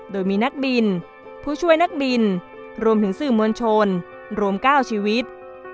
โดยมีนักบินผู้ช่วยนักบินรวมถึงสื่อมวลชนรวม๙ชีวิต